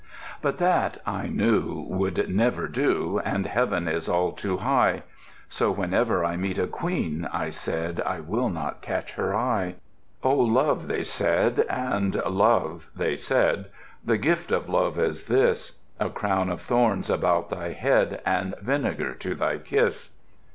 But that, I knew, would never do; And Heaven is all too high. So whenever I meet a Queen, I said, I will not catch her eye. "Oh! Love," they said, and "Love," they said, "The Gift of Love is this; A crown of thorns about thy head, And vinegar to thy kiss!"